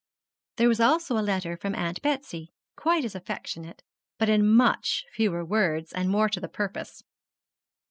There was also a letter from Aunt Betsy, quite as affectionate, but in much fewer words, and more to the purpose.